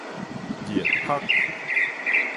熱學